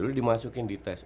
lo dimasukin di tes